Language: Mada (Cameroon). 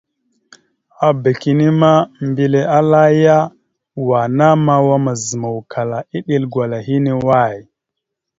Abak inne ma, mbile ala ya: "Wa ana mawa mazǝmawkala iɗel gwala hine away?".